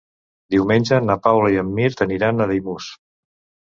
Diumenge na Paula i en Mirt aniran a Daimús.